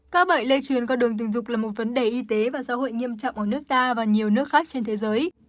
các bệnh lây truyền qua đường tình dục là một vấn đề y tế và xã hội nghiêm trọng ở nước ta và nhiều nước khác trên thế giới